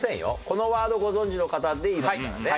このワードご存じの方で言いますからね。